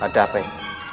ada apa ini